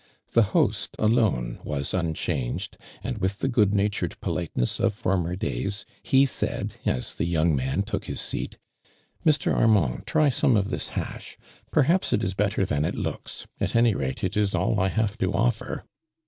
Tlie host i>' ne was imchanged, and, with the good jKiturcd politeness of former days, he said, iis tlie young man took his seat: "Mr. Armand, try some o^ this hash. Perhaps it is better than it looks — at any rate it is all J have to offer."